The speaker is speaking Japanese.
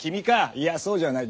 いやそうじゃない。